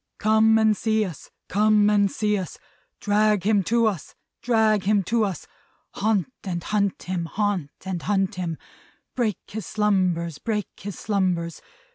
Come and see us, come and see us, Drag him to us, drag him to us, Haunt and hunt him, haunt and hunt him, Break his slumbers, break his slumbers!